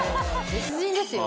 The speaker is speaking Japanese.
別人ですよ。